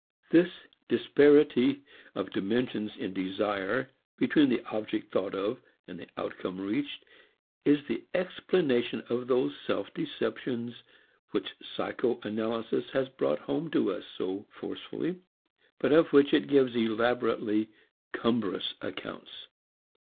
This disparity of dimensions in desire between the object thought of and the outcome reached is the explanation of those self deceptions which psycho analysis has brought home to us so forcibly, but of which it gives elaborately cumbrous accounts.